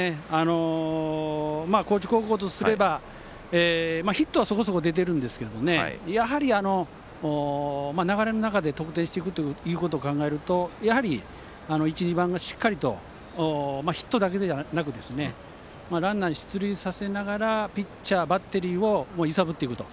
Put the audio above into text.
高知高校とすればヒットはそこそこ出てるんですが流れの中で得点していくとなるとやはり、１、２番がしっかりヒットだけではなくランナー出塁させながらピッチャー、バッテリーを揺さぶっていくと。